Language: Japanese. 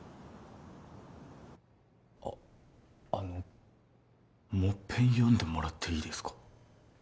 ああのもういっぺん読んでもらっていいですか？